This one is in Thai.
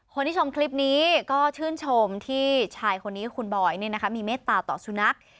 คนที่ชมคลิปนี้ก็ชื่นชมที่ชายคนนี้คือคุณบอยมีเมตตาต่อสุนัข